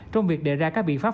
trong việc đề ra các biện pháp